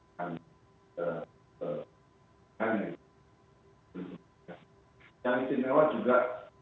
dan kemudian yang istimewa juga